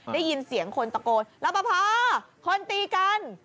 ได้ยินเสียงคนตะโกนระปภคนตีกัน